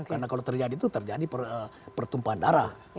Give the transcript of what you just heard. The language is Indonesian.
karena kalau terjadi itu terjadi pertumpahan darah